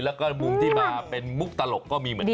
แล้วก็มุมที่มาเป็นมุกตลกก็มีเหมือนกัน